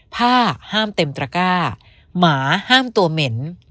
ผ้าห้ามเต็มตระก้าหมาห้ามตัวเหม็น